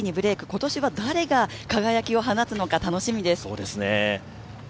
今年は誰が輝きを放つのか楽しみです。